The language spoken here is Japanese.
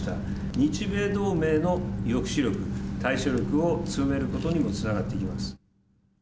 日米同盟の抑止力、対処力を強めることにもつながってきます。